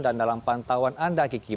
dalam pantauan anda kiki